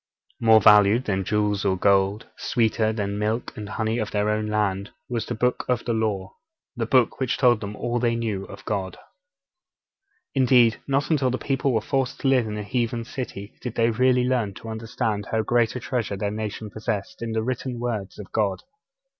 More valued than jewels or gold, sweeter than the milk and honey of their own land, was the Book of the Law the Book which told them all they knew of God. Indeed, not until the people were forced to live in a heathen city did they really learn to understand how great a treasure their nation possessed in the written words of God.